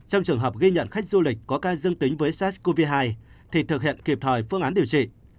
trong trường hợp ghi nhận khách du lịch có ca dương tính với sars cov hai thì thực hiện kịp thời phương án điều trị